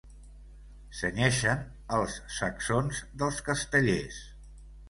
Cenyeixen els sacsons dels castellers.